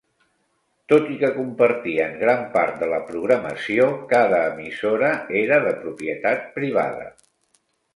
Tot i que compartien gran part de la programació, cada emissora era de propietat privada.